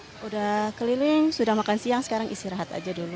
sudah keliling sudah makan siang sekarang istirahat aja dulu